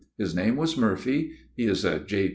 His name was Murphy : he is a J.